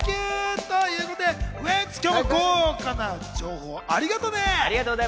ウエンツ、今日も豪華な情報ありがとね！